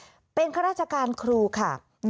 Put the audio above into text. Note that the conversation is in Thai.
ส่วนซึ่งกลายเป็นผู้ต้องหาแล้วเรียบร้อยนะคะเป็นครราชการครูค่ะ